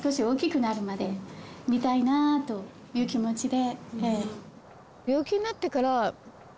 という気持ちで。